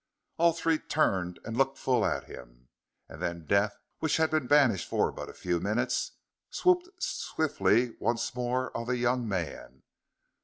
All three turned and looked full at him. And then death, which had been banished for but a few minutes, swooped swiftly once more on the young man.